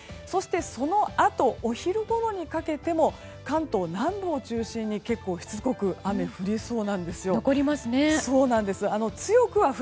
そのあとお昼ごろにかけても関東南部を中心に結構、しつこく雨が降りそうなんですよ。